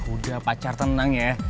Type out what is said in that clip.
udah pacar tenang ya